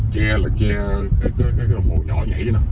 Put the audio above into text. che là che cái cái cái cái đồng hồ nhỏ nhảy thế này